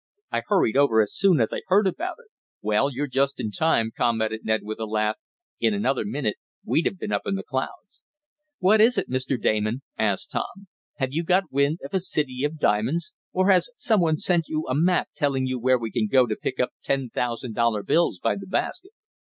I hurried over as soon as I heard about it." "Well, you're just in time," commented Ned with a laugh. "In another minute we'd have been up in the clouds." "What is it, Mr. Damon?" asked Tom. "Have you got wind of a city of diamonds, or has some one sent you a map telling where we can go to pick up ten thousand dollar bills by the basket?"